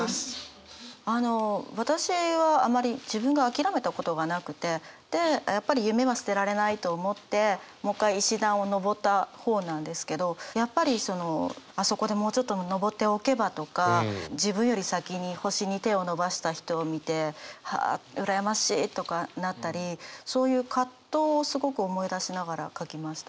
あの私はあまり自分が諦めたことがなくてでやっぱり夢は捨てられないと思ってもう一回石段を上った方なんですけどやっぱりそのあそこでもうちょっと上っておけばとか自分より先に星に手を伸ばした人を見てあ羨ましいとかなったりそういう葛藤をすごく思い出しながら書きました。